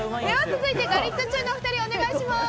続いてガリットチュウのお二人お願いします。